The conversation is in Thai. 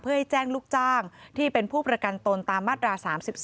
เพื่อให้แจ้งลูกจ้างที่เป็นผู้ประกันตนตามมาตรา๓๒